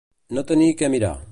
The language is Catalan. No tenir què mirar.